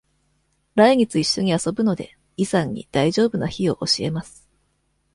来月一緒に遊ぶので、イさんに大丈夫な日を教えます。